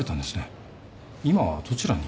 今はどちらに？